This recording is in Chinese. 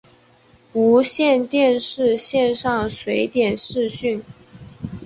无线电视线上随点视讯